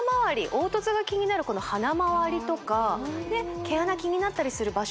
凹凸が気になるこの鼻周りとか毛穴気になったりする場所